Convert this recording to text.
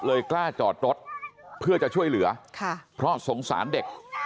กล้าจอดรถเพื่อจะช่วยเหลือค่ะเพราะสงสารเด็ก